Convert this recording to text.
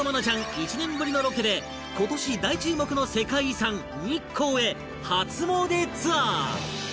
１年ぶりのロケで今年大注目の世界遺産日光へ初詣ツアー